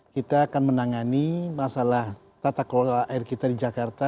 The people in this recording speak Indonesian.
kita akan menangani masalah tata kelola air kita di jakarta